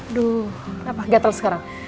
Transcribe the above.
aduh kenapa gatel sekarang